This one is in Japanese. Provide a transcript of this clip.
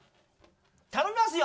頼みますよ！